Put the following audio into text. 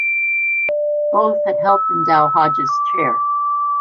Both had helped endow Hoge's chair.